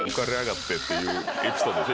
っていうエピソードでしょ？